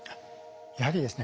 やはりですね